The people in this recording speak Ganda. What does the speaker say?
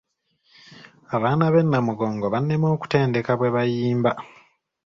Abaana b'e Namugongo bannema okutendeka bwe bayimba.